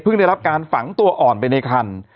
เพิ่งได้รับการฝังตัวอ่อนไปในครรภ์